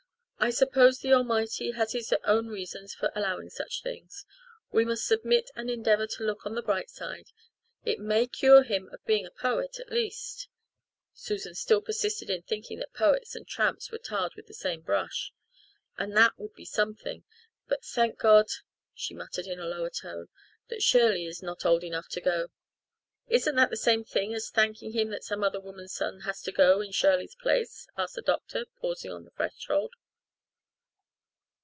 I suppose the Almighty has His own reasons for allowing such things. We must submit and endeavour to look on the bright side. It may cure him of being a poet, at least" Susan still persisted in thinking that poets and tramps were tarred with the same brush "and that would be something. But thank God," she muttered in a lower tone, "that Shirley is not old enough to go." "Isn't that the same thing as thanking Him that some other woman's son has to go in Shirley's place?" asked the doctor, pausing on the threshold.